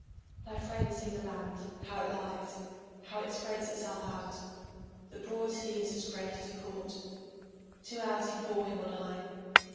My friend see the land, how it lies, How it spreads itself out. The broad sea is as great as a court. Two hours he bore him on high.